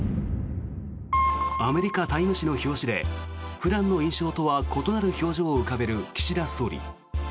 アメリカ、「タイム」誌の表紙で普段の印象とは異なる表情を浮かべる岸田総理。